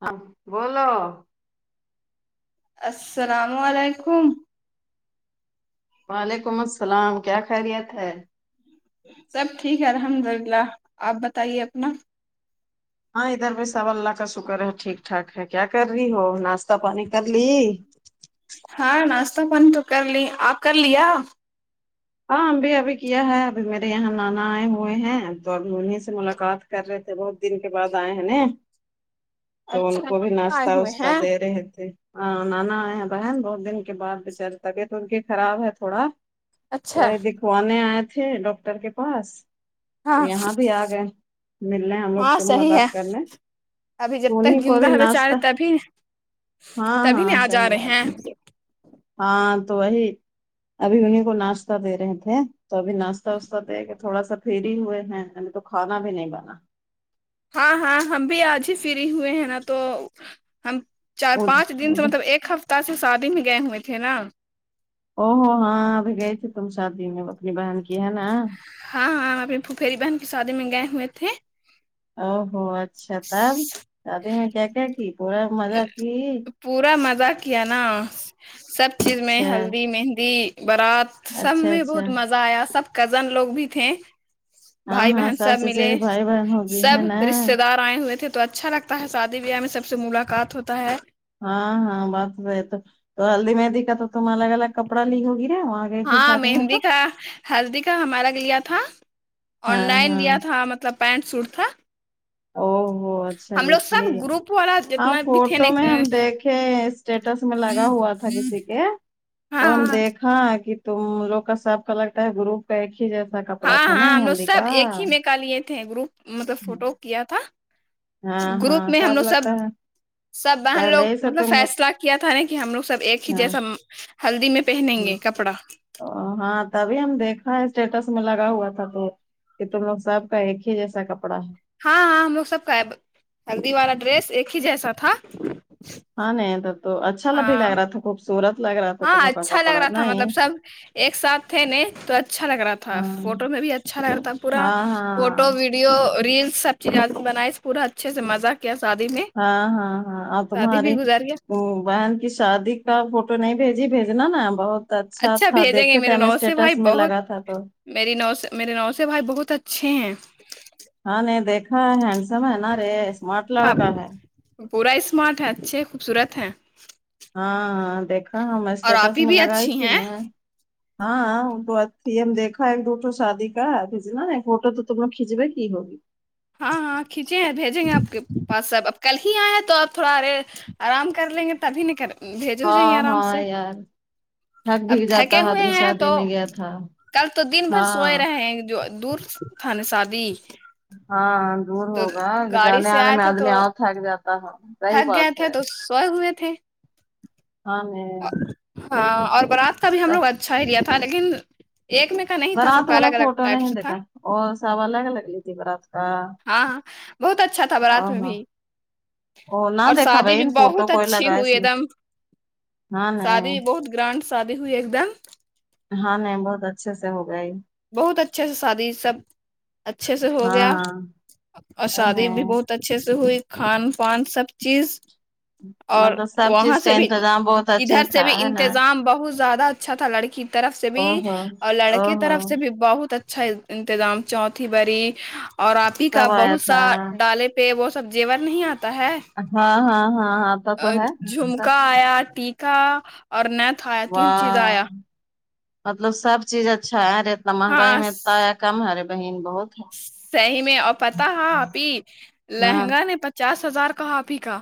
ہاں بولو السلام علیکم وعلیکم السلام کیا خیریت ہے سب ٹھیک ہے الحمد للہ آپ بتائیے اپنا ہاں ادھر بھی سو اللہ کا شکر ہے ٹھیک ٹھاک ہے کیا کر رہی ہو ناشتہ پانی کر لی ہاں ناشتہ پانی تو کر لی آپ کر لیا ہاں ہم بھی ابھی کیا ہے ابھی میرے یہاں نانا آئے ہوئے ہیں تو اب انہیں سے ملاقات کر رہے تھے بہت دن کے بعد آئے ہیں نا تو ان اچھا کو بھی کہاں آئے ناشتہ ہوئے واشتہ ہیں دے رہے تھے ہاں نانا آئے ہیں بہن بہت دن کے بعد بچارے تک تو ان کی خراب ہے تھوڑا وہ اچھا دکھوانے آئے تھے ڈاکٹر کے پاس ہاں تو یہاں بھی آگئے مل لے ہم لوگ ہاں سے صحیح ہے ملاقات کر لیں ابھی جب تک زندہ بیچار رہے تبھی ہاں تبھی نہیں ہاں آ جا صحیح رہے بات ہیں ہے ہاں تو وہی ابھی انہیں کو ناشتہ دے رہے تھے تو ابھی ناشتہ واشتہ دے کے تھوڑا سا پری ہوئے ہیں تو کانا بھی نہیں بنا ہاں ہاں ہم بھی آج ہی فری ہوئے ہیں نا تو ہم چار او پانچ دن سے مطلب او ایک ہفتہ سے شادی میں گائے ہوئے تھ ہے نا او ہو ہاں ابھی گئے تھی تم شادی میں اپنی بہن کی ہے نا ہاں ہاں ہم اپنی پپری بہن کی شادی میں گئے ہوئے تھے او ہوو اچھا تب شادی میں کیا کیا کی پورا مزہ کی پورا مزہ کیا نا سب چیز میں اچھا ہلدی مہندی بارات سب اچھا میں اچھا بہت مزہ آیا سب کزن لوگ بھی تھے ہاں بھائی ہاں بہن سب ملے چچیری بھائی بہن ہوگی سب ہے نا رشتے دار ہوئے تھے تو اچھا لگتا ہے شادی بیاہ میں سب سے ملاقات ہوتا ہے ہاں ہاں بات رہ تو ہلدی مہندی کا تو تم الگ الگ کپڑا لی ہوگی نا وہاں گئی تھی ہاں شادی میں تو مہندی کا ہلدی کا ہمارا لیا تھا آن ہاں لائن لیا ہاں تھا مطلب پینٹ سوٹ تھا او ہوو اچھا ہم لی لوگ تھی سب گروپ والا ہاں جتنا بھی تھے فوٹو نا میں ہم دیکھے اسٹیٹس میں لگا ہوا تھا کسی کے ہاں ہاں ہاں کہ تم لوگ کا ساب کا لگتا ہے گروپ کا ایک ہی جی ہاں ہاں ہم لوگ سب ایک ہی میںک لیے تھے گروپ مطلب فوٹو کیا تھا ہاں گروپ ہاں میں ہم لوگ سب لگتا ہے سب بہن لوگ پہلے ہی سے مطلب تم لوگ فیصلہ کیا تھا نا کہ ہم لوگ سب ایک ہی ہاں جیسا ہلدی میں پہنیں گے کپڑا ا ہاں تبھی ہم دیکھا ہے اسٹیٹس میں لگا ہوا تھا تو کہ تم لوگ سب کا ایک ہی جیسا کپڑا ہے ہاں ہاں ہم لوگ سب کا ہے ہلدی والا ڈریس ایک ہی جیسا تھا ہاں نہیں تو اچھا ل بھی ہاں لگ رہا تھا خوبصورت لگ رہا تھا ہاں تم لوگ کا اچھا لگ کپڑا رہا تھا مطلب نہیں سب ایک ساتھ تھے نے تو اچھا لگ رہا تھا ہاں تھا فوٹو میں بھی اچھا لگ رہتا تھا پورا ہاں فوٹو ہاں ویڈی ویڈیو ریلس سب چیز بنائی پورا اچھے سے مزہ کیا شادی میں ہاں ہاں ہاں اور شادی بھی تمہاری گزار گیا ا بہن کہ شادی کا فوٹو نہیں بھیجی بھیجنا نا بہت اچھا تھا بھیجیں گے دیکھے تھے میرے ہمیں نو سے اسٹیٹس بھائی میں بہت لگا تھا تو میری نوس میرے نوس بھائی بہت اچھی ہیں ہاں نہیں دیکھا ہینڈسم ہے نا رے اسمارٹ آپ لڑکا ہے پورا اسمارٹ ہے اچھے خوبصورت ہے ہاں ہ دیکھا ہم اور آپ اسٹیٹس ہی میں بھی لگائی اچھی تھی ن ہیں ہاں تو اھی ہم دیکھا ایک فوٹو شادی کا کناا فوٹو تو تم لو کھینچوے کی ہوگی ہاں ہاں کھینچے ہیں بھیجیں گے آپ کے بس سب اب کل ہی آئے ہیں تو آپ تھوڑا ارے آرام کر لیں گے تبھی نہیں کریں ہاں ہاں یار تھک بھی اب جاتا تھکے ہے ہوئے ادمی ہیں شادی تو میں گیا تھا کل تو دن بھر سوئے ہاں رہے ہیں جو دور تھا ن شادی ہاں دور تو ہوگا گاڑی جانے سے آنے آئے میں تھے آدمی تو اور تھک جاتا ہے صحیح تھک گئے بات تھے ہے تو سوئے ہوئے تھے ہاں نہیں ہاں اور بارات کا بھی ہم لوگ اچھا ہی لیا تھا لیکن ایک میں کا نہیں تھا برات سب کا والا الگ الگ فوٹو ٹائپ نہیں سے تھا دیکھا اور سب الگ لگ لی تھی برات کا ہاں ہاں بہت اچھا تھا بارات میں ہاں بھی او نہ اور دیکھا شادی بھائی بھی فوٹو بہت کوئی اچھی لگا ہوئی اس ایک نے دم ہاں نہیں شادی بہت گرانڈ شادی ہوئی ایک دم ہاں نہیں بہت اچھے سے ہہوگی بہت اچھے سے شادی سب اچھے سے ہو گیا ہاں اور ہے شادی بھی نہیں بہت اچھے سے ہوئی خان پان سب چیز اور مطلب سب وہاں چیز کا سے بھی انتظام بہت اچھے ادھر سے تھا بھی ہے نا انتظام بہت زیادہ اچھا تھا لڑکی کی طرف سے بھی او ہو اور او لڑکے ہو طرف سے بہت اچھا انتظام چوتھی بری اور آپ ہی کا سب آیا بہت سا تھا ڈالے پ وہ سب زیور نہیں آتا ہے ہاں ہاں ہاں آتا تو ہے سب جھومکا آیا ٹیکیکا اور نہتھا واہ مطلب سب چیز اچھا ہے رہا اتنا مہنگائی ہاں میں اتنا ہے کم ہارے بہن بہت ہے صحیح میں اور پتہ ہپی ہاں لہنگا نے پچاس ہزار کا آپی کا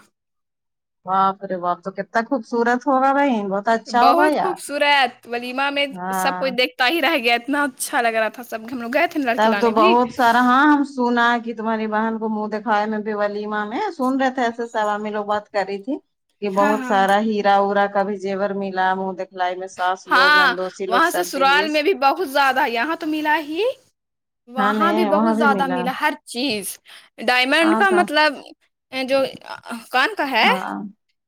باپ رے باپ تو کتنا خوبصورت ہوگا بھائی اچھا ہوگا بہت یار خوبصورت ولیما میں سب کچھ ہاں دیکھ تا ہی رہ گیا اتنا اچھا لگ رہا تھا سب ہم لوگئے تب تو بہت سارا ہاں ہم سنا کہ تمہاری بہن کو منہ دکھاائے میں بھی ولیمہ میں سن رہے تھے ایسے سب ہمیں لوگ بات کر رہی تھی کہ ہاں بہت ہاں سارا ہیرا ارا کا بھی جیور ملا منہ دیک لائی میں ساس لوگ ہاں نندوسی لوگ وہاں سرد سسرال میں ہیز بھی بہت زیادہ یہاں تو ملا ہی ہاں وہاں نے بھی وہاں بہت زیادہ ملا ہر چیز ڈائمنڈ ہاں کا صاحب مطلب جو کون ہاں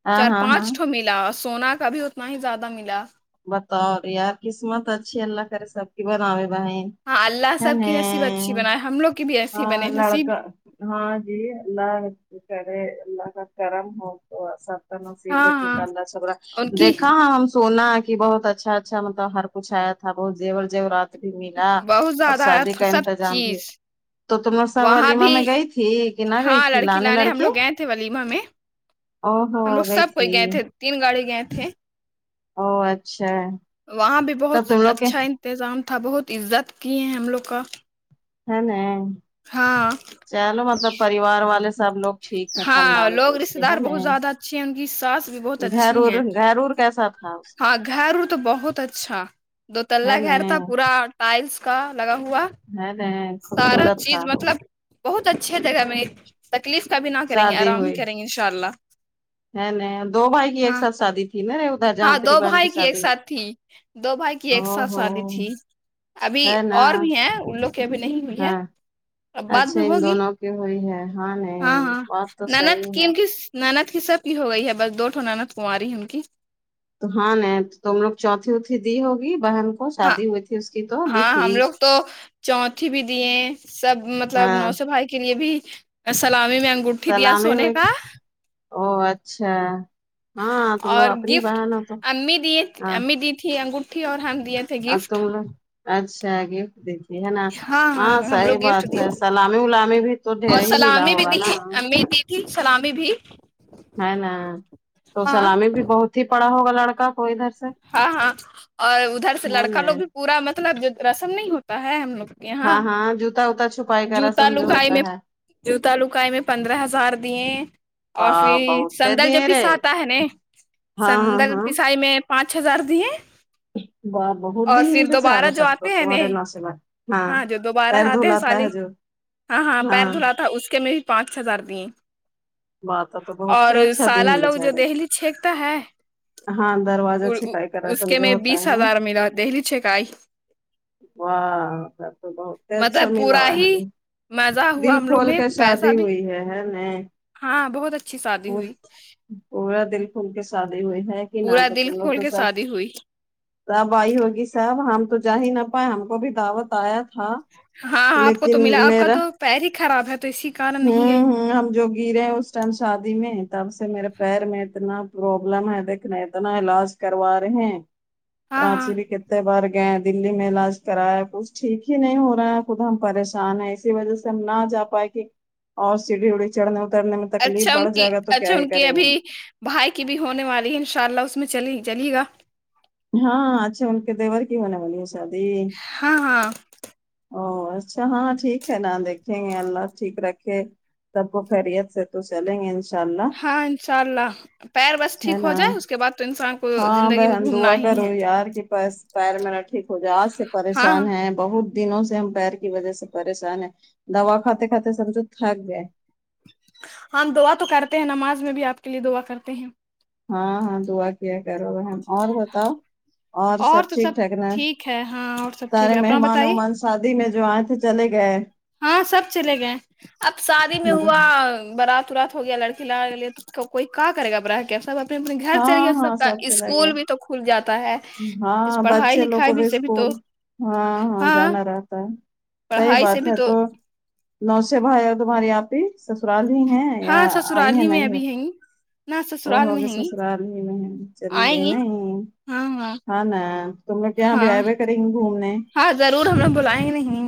ہاں چار ہاں ہاں پانچٹو ملا سونا کا بھی اتنا ہی زیادہ ملا بطور یار قسمت اچھی اللہ کرے سب کی بناوے بھائین ہاں اللہ ا سب نے کی نصیب اچھی بنائے ہم لوگ کی بھی آ ایسی بنے نصیب لڑکا ہاں جی اللہ کرے اللہ کا کرم ہو سب نب ہاں ہاں بیٹیدا چھڑا ان کی دیکا ہاں ہم سونا کہ بہت اچھا اچھا مطلب ہر کچھہ ہے آیا تھا بہت جیور جیورات بھی ملا بہت اور زیادہ شادی ہے کا سب انتظام بھی چیز تو تم ساب وہاں ولیمہ میں بھی گئی تھی کہ نہ گئی ہاں تھی لانے ہم لڑکی لوگ گئے تھے ولیمہ میں او ہو ہم لوگ گئی سب کوئی تھی گئے تھے تین گاڑی گئے تھے او اچھا وہاں بھی بہت تب تم لوگ کے اچھا انتظام تھا بہت عزت کی ہیں ہم لوگ کا ہے ن ہاں چلو مطلب پریوار والے سب لوگ ٹھیک ہے ہاں خاندان کے لوگ اس رشتے کے ہے دار ن بہت زیادہ اچھے ہیں ان کی ساس بھی بہت اچھی گھرور ہیں گھرور کیسا تھا ہاں سر گھر تو بہت اچھا دو کا تللہ ہے گھر تھا نا پورا ٹائلس کا لگا ہوا نہیں بہین سارا چیز مطلب بہت اچھے جگہ میں تکلیف کا بھی نہ کریں گے شادی آرام ہی ہوئی کریں گے انشاء اللہ ہے نہیں دو بھائی کی ایک ہاں ساتھ شادی کی نا ادھر ہاں جان تری دو بان کی بھائی ایک شادی ہوئی ساتھ تھی دو بھائی کی ایک او ساتھ ہو شادی تھی ابھی ہے نا اور بھی ہیں ان لوگ بھی نہیں ہوئی ہے ہاں اب بعد میں اچھا ان ہوگی دونوں کی ہوئی ہے ہاں نہیں ہاں بات تو ناند صحیح کی ہے ان کی نا ند کی سب کی ہو گئی ہے بس دوٹو ند کماری ہے ان کی تو ہاں نہیں تم لوگ چوتھی چوتھی دی ہوگی بہن کو ہاں شادی ہوئی تھی اس کی تو دی ہاں تھی ہم لوگ تو چوتھی بھی دیے سب مطلب ہاں نوسے بھائی کے لیے بھی سلامی میں انگوٹ سلامی میں او اچھا ہاں تم لوگ اور اپنی گفٹ بہن ہو تو امی دی امی دی تھی انگوٹھی اور ہم دیے تھے آپ تو گفٹ لوگ اچھا آگے دیکھیے ہے نا ہاں ہم لوگ صحیح گفٹ بات دیے ہے تھے. سلامی الامی بھی تو ڈھیر اور ہی ملا سلامی بھی ہوگا دی نا امی دی تھی سلامی بھی ہے نا تو ہاں سلامی بھی بہت ہی پڑا ہوگا لڑکا کو ادھر س ہاں ہاں اور ادھر سے ہے لڑکا نا لوگ بھی پورا مطلب جو رسم نہیں ہوتا ہے ہم لوگ کے یہاں ہاں ہاں جوتا وتا چھپائی کا جوتا رسم جو لکائی ہوتا میں ہے جوتا لکائی میں پندرہ ہزار دیے اور واہ پھر بہت سندل جو دیر رے پساتا ہے نے ہاں ہاں سندل ہاں پسائی میں پانچ ہزار دیے بہت د اور پھر پ چاہ دوبارہ رہے جو تب تو آتے ہیں ن تمہارے نوش ب ہاں جو دوبارہ پیر آتے ہیں دھلاتتا سالی ہے جو ہاں ہاں پیر دھلا تھا اس کے میں بھی پانچ ہزار دیے بات تو بہت اور اچھا سالا دین لوگ جو بیچارے دہلی چھینکتا ہے ہاں دروازہ چھپائی کا اس رسم کے جو میں ہوتا بیس ہے ہزار ملا دہلی چیکئی واہ س تو بہت مطلب اچھاملاو پورا ہے ہی نے مزہ دل ہوا ہم لوگ کھول میں کے شادی پیسہ بھی ہوئی ہے ہے ن ہاں بہت اچھی شادی ہوئی پورا دل کھول کے شادی ہوئی ہے کہ نہ پورا تو دل تم لوگ کھول تو کے سب شادی ہوئی سب آئی ہوگی صاحب ہم تو جا ہی نہ پائے ہم کو بھی دعوت آیا ہاں ہاں آپ کو لیکن تو ملا آپ کا میرا تو پیر ہی خراب ہے تو اسی کارن نہیں گئی ہوں ہ ہم جو گرے ہیں اس ٹائم شادی میں تب سے میرے پیر میں اتنا پروابلم ہے دیکھنا اتنا علاج کروا رہے ہیں ہاں ہاں رانچی بھی کت بر گئے دہلی میں علاج کرایا کچھ ٹھیک ہی نہیں ہو رہا ہے خود ہم پریشان ہیں اس وجہ سے ہم نہ جا پائے گے اور سیڑھی اڑھی چڑھنے اترنے میں تکلیف اچھا ان بڑھ کی جائے گا تو کیا اچھا ہی ان کی کریں گے ابھی بھائی کی بھی ہونے والی ہے انشاء اللہ اس میں چلی چلےگا ہاں اچھا ان کے دیور کی ہونے والی ہے شادی ہاں ہاں او اچھا ہاں ٹھیک ہے نا دیکھ ینگے اللہ ٹھیک رکھے سب کو خیریت سے تو چلیں گے ان ہاں انشاء اللہ پیر بس ہے ٹھیک نا ہوجائے اس کے بعد تو انسان کو زندگی میں گھومنا ہی ہے ضرور یار کی بس پیر میرا ٹھیک ہو جائے آج سے ہاں پریشان ہاں ہے بہت دنوں سے ہم پیر کی وجہ سے پریشان ہے دوا کھاتے کھاتے سمجھو تھک گئے ہم دعا تو کرتے ہیں نماز میں بھی آپ کے لیے دعا کرتے ہیں ہاں ہاں دعا کیا کرو اور بتاؤ اور سب تو ٹھیک ٹھاک نا ٹھیک ہے ہاں اور سب ٹھیک سارے ہے اپنا مہمان بتائیے وہمان س شادی میں جو آئے تھے چلے گئے ہاں سب چلے گئے اب شادی میں مطلب ہوا بارات ورات ہو گیا لڑکی لاے کوئی کا کرے گا بڑاہ کے سب اپنے اپنے گھر چل گیا ہاں سب ہاں کا چلا گیا اسکول بھی تو کھل جاتا ہے ہاں اس پڑھائی بچے لوگ کو لکھائی بھی سے تو اسکول ہاں ہاں جانا رہتا ہے صحیح پڑھائی سے بات بھی ہے تو نو سے بھائی ہے تمہاری آپی سسرال ہی ہیں ہاں آئی سسرال ہیں ہی میں نہیں ہے ابھی ہیں گی نہ وہ سسرال میں ہوگئے ہیں گی، سسرال ہی میں چلی گئی آئیں گی ہاں ہاں ہاں ن تم لوگ ہاں یہاں کریں گے گھومنے ہاں ضرور ہم نے بلیا ہی نہیں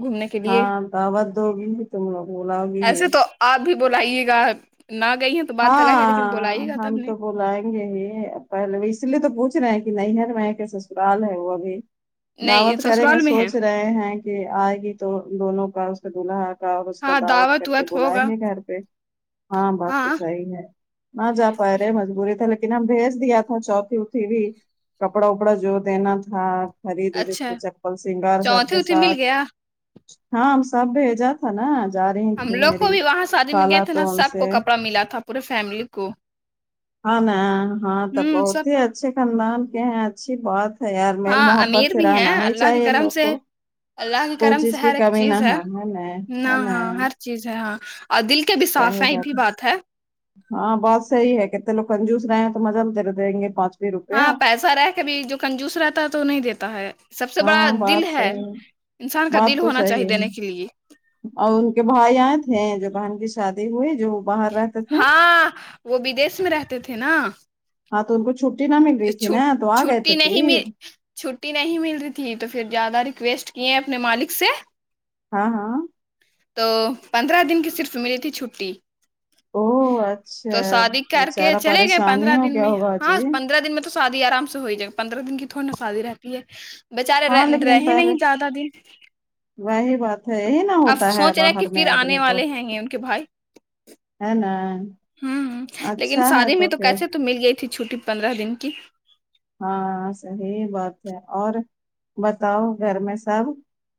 گھومنے کے لیے ہاں دعوت دوگی تم لوگ بلاوگی ایسے تو آپ بھی بلاائیے گا نہ گئی ہیں تو بات الگ ہے لیکن ہاں بلائیے گا تب ہم نہیں تو بلاینگے ہی پہل اس لیے تو پوچھ رہے ہیں کہ نہیں ہے ن میں کی سسرال ہے وہ ابھی نہیں دعوت کریں گے سسرال میں ہے سوچ رہے ہیں کہ آئے گی تو دونوں کا اس کا دولہا ہوگا اس کا ہاں دعوت کر کے وت بلائیں ہوگا گے گھر پہ ہاں بات تو نہ جا پارہے مجبوری تھا لیکن ہم بھیج دیا تھا کپڑا وپڑا جو دینا تھا خرید ورید اچھا کے چپل سنگار سب چوتھی کے اوتھی مل ساتھ گیا ہاں ہم سب بھیجت تھا نا جا رہی ہم تھی لوگ کو میری بھی وہاں شادی میں گئے خالہ تھے نا تو ان سب کو سے کپڑا ملا تھا پورے فیملی کو ہاں نا ہاں تو ہوں بہت سب ہی کو اچھے خاندان کے ہیں اچھی بات ہے یار میل ہاں محبت امیر سے بھی ہیں رہنا ہی اللہ کے چاہیے کرم لوگ سے کو اللہ کے کوئی کرم سے چیز کی ہر ایک کمی نہ چیز ہے ہو نا نہ ہے نا ہاں ہر چیز ہے ہاں اور دل کے بھی صاف ہیں یہ بھی بات ہے ہاں بات سہی ہے کتتے لوگ کنجوس رہے ہیں تو مزہ میں تیرے دیں گے پانچ بھی روپیہ ہاں پیسہ رہ کے بھی جو کنجوس رہتا ہے تو وہ نہیں دیتا ہے سب سے بڑا ہاں دل بات ہے صحیح انسان کا دل بات تو ہونا صحیح چاہیے دینے کے ہے لیے اور ان کے بھائی یہاں تھے جو بہن کی شادی ہوئی جو باہر رہتے تھے ہاں وہ بدیش میں رہتے تھے نا ہاں تو ان کو چھٹی نہ مل رہی تھی نا چھٹ تو آ گئے تھے چھٹی نہیں پھر مل چھٹی نہیں مل رہی تھی تو پھر زیادہ ریکویسٹ کیے اپنے مالک سے ہاں ہاں تو پندرہ دن کی صرف ملی تھی چھٹی او تو اچھا شادی کر کے بیچارہ چلے گئے پندرہ پریشانی ہو دن گیا میں ہوگا ہاں جی پندرہ دن میں تو شادی آرام سے ہو ہی جائے گ پندرہ دن کی تھوڑی نا شادی رہتی ہے بچارے ہاں رہ لیکن رہے پہلے نہیں زیادہ دن وہی بات ہے یہی نہ اب ہوتا ہے سوچ رہے کہ باہر میں پھر آنے آدمی کو والے ہیں گے ان کے بھائی ہ ن ہوں لیکن شادی میں تو کیسے تو مل گئی تھی چھٹی پندرہ دن کی ہاں صحی بات ہے اور بتاؤ گھر میں سب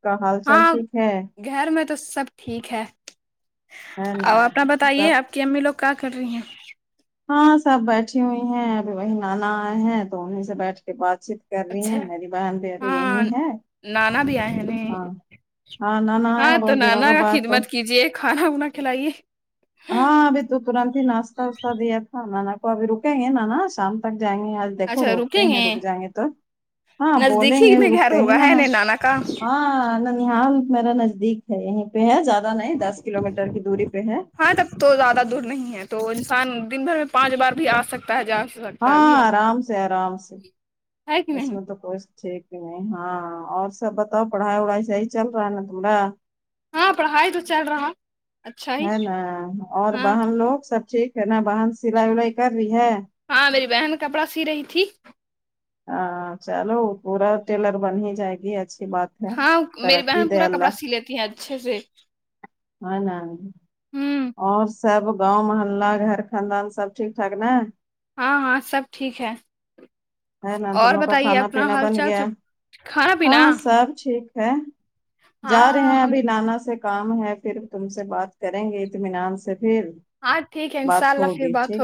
کا حال چال ہاں ٹھیک ہے گھر میں تو سب ٹھیک ہے ہ ن اور اپنا بتائیے آپ کی امی لوگ کیا کر رہی ہیں ہاں سب بیٹھی ہوئی ہیں ابھی وہی نانا آئے ہیں تو انہیں سے بیٹھ کے بات چیت کر رہی ہے اچھا میری بہن پ تو یہی ہاں ہے نانا بھی آئے نہیں ہاں ہاں نانا ہاں آیا تو بہت دنوں نانا کے کا بعد تو خدمت کیجیے کھانا وا کھلائیے ہاں ابھی تو ترنت ہی ناشہ واشہ دیا تھا نانا کو ابھی رکیں گے نانا شام تک جائیں گے دیکھو اچھا روکتے رکیں ہیں رک جائیں گے تو ہاں بولیں گے نزدیکی میں گھر رکتے ہی ہوگا نا ہے ہاں نہیں نانا کا فیحال میرا نزدیک ہے یہیں پہ ہے زیادہ نہیں دس کلو میٹر کی دوری پہ ہے ہاں تک تو زیادہ دور نہیں ہے تو انسان دن بھر میں پانچ بار بھی اسکتا ہے جا سکتا ہاں بھی ہے ارام سے ارام سے ہے کہ اس نہیں میں تو کوئی ٹھیک ہی نہیں ہاں اور سب بتاؤ پڑھائی وڑھائی صحی چل رہا ہے نا تمارا ہاں پڑھائی تو چل رہا اچھا ہی ہے نا اور ہاں باہن لوگ سب ٹھ ہے نا باہن سلائی ولائی کر رہی ہے ہاں میری بہن کپڑا سی رہی تھی ہاں چلو پورا ٹیلر بن ہی جائے گی اچھی بات ہاں میری ترکی بہن د پورا کپڑا اللہ سی لیتی ہے اچھے سے ہ نہ ہوں اور سب گاوں محلہ گھر خاندان سب ٹھیک ٹھاک نا ہاں ہاں سب ٹھیک ہے ہے نا تم اور لو کا بتائیے کھانا اپنا پینا حال بن چال گیا سب کھانا پینا ہاں سب ٹھیک ہے جا رہے ہاں ہیں ہم ابھی نانا سے کام ہے پھر تم سے بات کریں گے اطمینان سے پھر ہاں ٹھیک ہے ان شاء بات اللہ پھر ہوگی بات ہو ٹھیک